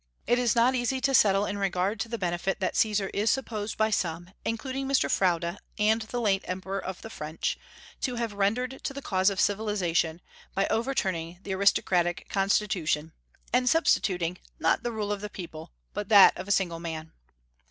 It is not easy to settle in regard to the benefit that Caesar is supposed by some including Mr. Froude and the late Emperor of the French to have rendered to the cause of civilization by overturning the aristocratic Constitution, and substituting, not the rule of the people, but that of a single man.